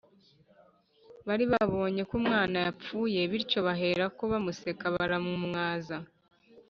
bari babonye ko umwana yapfuye, bityo baherako bamuseka bamumwaza